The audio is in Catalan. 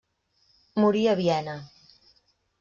Morí a Viena.